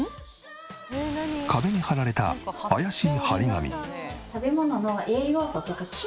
壁に貼られた怪しい貼り紙。